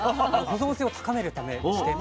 保存性を高めるためでして。